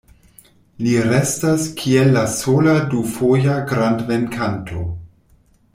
Li restas kiel la sola du-foja grand-venkanto.